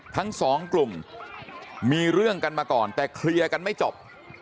ทั้งสองกลุ่มมีเรื่องกันมาก่อนแต่เคลียร์กันไม่จบ